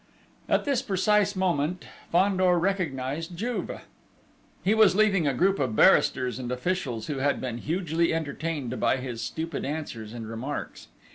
At this precise moment, Fandor recognised Juve. He was leaving a group of barristers and officials, who had been hugely entertained by his stupid answers and remarks.